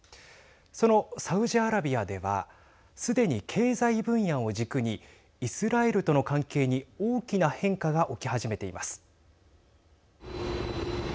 そのサウジアラビアではすでに、経済分野を軸にイスラエルとの関係に大きな変化が起き始めています。